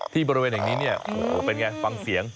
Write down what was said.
ที่บริเวณอย่างนี้เนี่ยผมเป็นไงฟังเสียง